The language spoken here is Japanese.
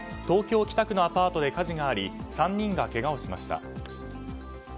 東京・北区のアパートで火事があり３人がけがをしました。